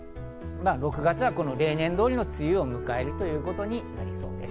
６月は例年通りの梅雨を迎えるということになりそうです。